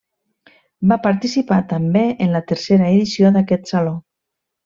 Va participar també en la tercera edició d'aquest saló.